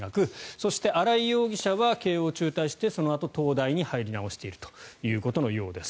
そして、新井容疑者は慶応を中退してそのあと東大に入り直しているということのようです。